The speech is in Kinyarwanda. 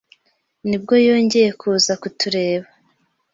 Nibwo yongeye kuza kutureba